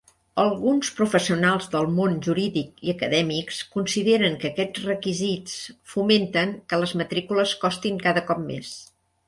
Alguns professionals del món jurídic i acadèmics consideren que aquests requisits fomenten que les matrícules costin cada cop més.